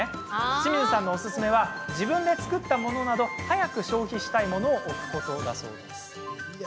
清水さんのおすすめは自分で作ったものなど早く消費したいものを置くこと。